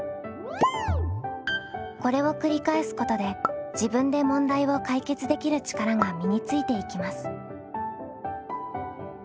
これを繰り返すことで自分で問題を解決できる力が身についていきます。